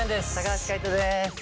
橋海人です。